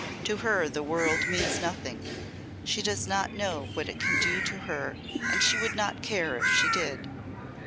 To her the world means nothing. She does not know what it can do to her and she would not care if she did.